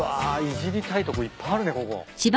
いじりたいとこいっぱいあるねここ。